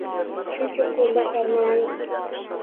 Chunki qo’lda farmon yo’q.